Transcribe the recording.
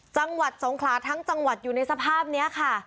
จังหวัดสงขลาทั้งจังหวัดอยู่ในสภาพนี้ค่ะ